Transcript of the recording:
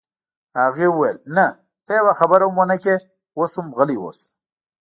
هغې وویل: نه، ته یوه خبره هم ونه کړې، اوس هم غلی اوسه.